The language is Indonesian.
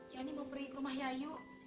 yang ini mau pergi ke rumah yayu